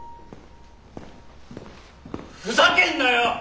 ふざけんなよ！